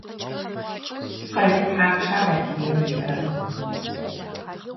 Къэлэ тхьапша Россием иӏэр?